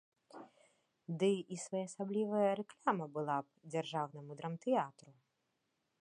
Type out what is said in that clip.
Ды і своеасаблівая рэклама была б дзяржаўнаму драмтэатру.